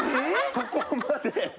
そこまで。